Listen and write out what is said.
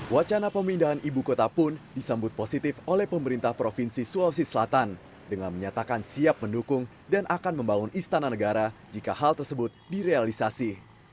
wacana pemindahan ibu kota pun disambut positif oleh pemerintah provinsi sulawesi selatan dengan menyatakan siap mendukung dan akan membangun istana negara jika hal tersebut direalisasi